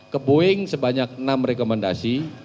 ke boeing sebanyak enam rekomendasi